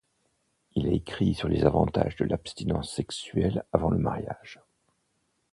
Il a écrit sur les avantages de l'abstinence sexuelle avant le mariage.